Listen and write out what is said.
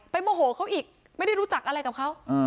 โมโหเขาอีกไม่ได้รู้จักอะไรกับเขา